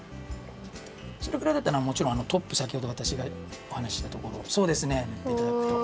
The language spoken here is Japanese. それくらいだったらもちろんトップさきほどわたしがおはなししたところそうですねぬっていただくと。